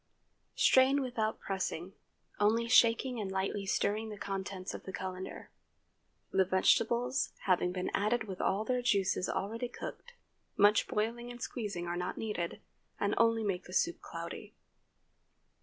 Strain without pressing, only shaking and lightly stirring the contents of the cullender. The vegetables having been added with all their juices already cooked, much boiling and squeezing are not needed, and only make the soup cloudy.